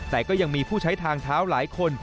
แต่ก็ยังมีผู้ใช้ทางเท้าหลายคน